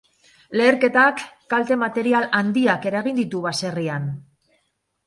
Leherketak kalte-material handiak eragin ditu baserrian.